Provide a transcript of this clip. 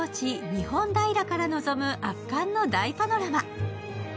日本平から望む圧巻の大パノラマ。